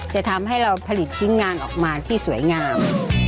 จะทำให้เราผลิตชิ้นงานออกมาที่สวยงาม